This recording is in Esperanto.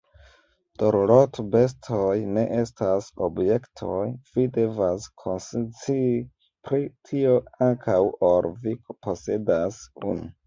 Dorlotbestoj ne estas objektoj, vi devas konscii pri tio antaŭ ol vi posedas unu.